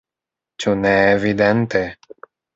Ĉu ne evidente?